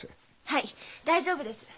はい大丈夫です。